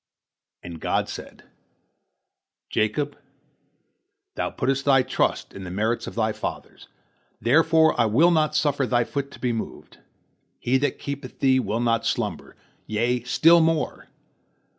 And God said: "Jacob, thou puttest thy trust in the merits of thy fathers, therefore I will not suffer thy foot to be moved; He that keepeth thee will not slumber. Yea, still more!